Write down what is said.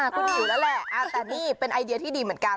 คุณมีอยู่แล้วแหละแต่นี่เป็นไอเดียที่ดีเหมือนกัน